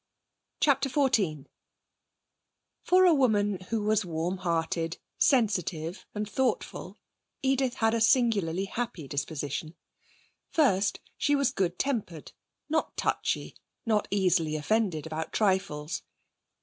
CHAPTER XIV For a woman who was warm hearted, sensitive and thoughtful, Edith had a singularly happy disposition. First, she was good tempered; not touchy, not easily offended about trifles.